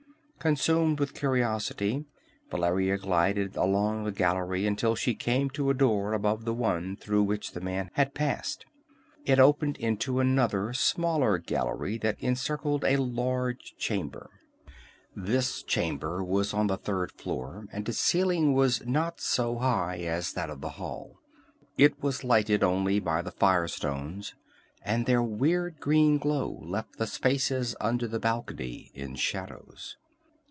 Consumed with curiosity, Valeria glided along the gallery until she came to a door above the one through which the man had passed. It opened into another, smaller gallery that encircled a large chamber. This chamber was on the third floor, and its ceiling was not so high as that of the hall. It was lighted only by the fire stones, and their weird green glow left the spaces under the balcony in shadows.